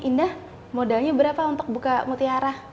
indah modalnya berapa untuk buka mutiara